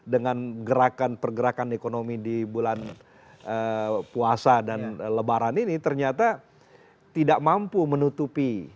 dengan gerakan pergerakan ekonomi di bulan puasa dan lebaran ini ternyata tidak mampu menutupi